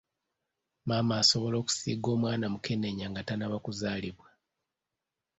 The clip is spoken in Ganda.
Maama asobola okusiiga omwana mukenenya nga tannaba kuzaalibwa.